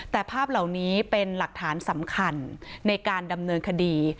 แต่ภาพเหล่านี้เป็นหลักฐานสำคัญในการดำเนินคดี